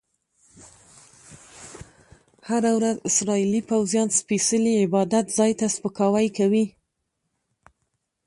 هره ورځ اسرایلي پوځیان سپیڅلي عبادت ځای ته سپکاوی کوي.